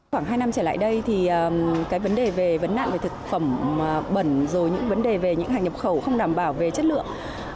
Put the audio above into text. khoảng hai năm trở lại đây thì cái vấn đề về vấn nạn về thực phẩm bẩn rồi những vấn đề về những hàng nhập khẩu không đảm bảo về chất lượng